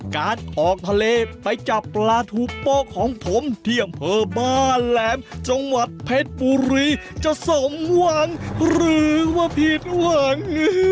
การออกทะเลไปจับปลาทูโป๊ะของผมที่อำเภอบ้านแหลมจังหวัดเพชรบุรีจะสมหวังหรือว่าผิดหวัง